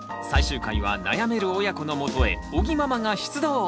最終回は悩める親子のもとへ尾木ママが出動！